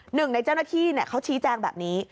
หนึ่งในเจ้าหน้าที่เขาชี้แจงแบบนี้